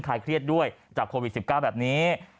เครียดด้วยจากโควิด๑๙แบบนี้